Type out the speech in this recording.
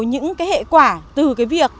những hệ quả từ cái việc